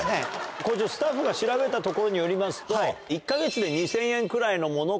校長スタッフが調べたところによりますと。